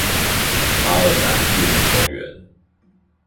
八二三紀念公園